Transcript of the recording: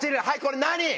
はいこれ何？